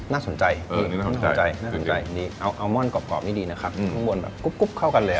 น่าสนใจดีเอาม่อนกรอบนี่ดีนะครับข้างบนกุ๊บเข้ากันเลย